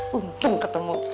hah untung ketemu